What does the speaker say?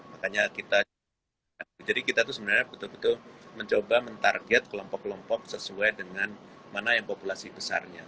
makanya kita jadi kita tuh sebenarnya betul betul mencoba mentarget kelompok kelompok sesuai dengan mana yang populasi besarnya